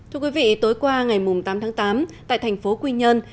thưa quý vị tối qua ngày tám tháng tám tại thành phố quy nhơn